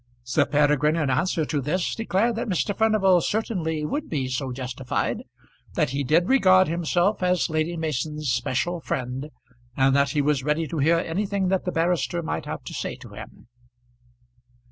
Sir Peregrine in answer to this declared that Mr. Furnival certainly would be so justified; that he did regard himself as Lady Mason's special friend, and that he was ready to hear anything that the barrister might have to say to him.